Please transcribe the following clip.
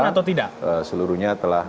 atau tidak seluruhnya telah